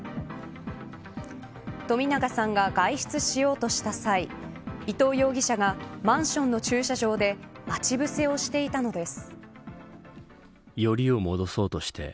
冨永さんが外出しようとした際伊藤容疑者がマンションの駐車場で待ち伏せをしていたのです。